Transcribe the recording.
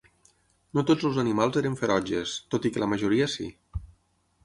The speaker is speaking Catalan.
No tots els animals eren ferotges, tot i que la majoria sí.